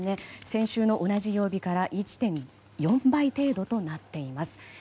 先週の同じ曜日から１．４倍程度となっています。